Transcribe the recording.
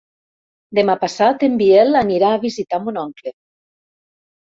Demà passat en Biel anirà a visitar mon oncle.